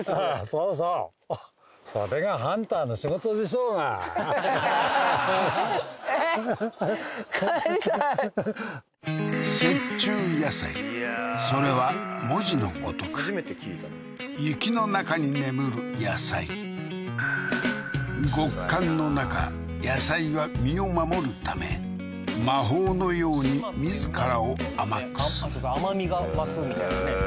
そうそうははははっえっ帰りたいそれは文字のごとく雪の中に眠る野菜極寒の中野菜は身を守るため魔法のように自らを甘くする甘みが増すみたいなね